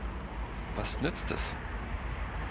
Was nützt es?